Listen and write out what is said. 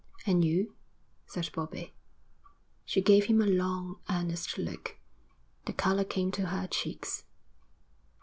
'And you?' said Bobbie. She gave him a long, earnest look. The colour came to her cheeks.